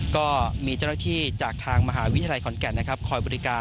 ก็มีจำนวนที่จากทางมหาวิทยาลัยขอนแก่คอยบริการ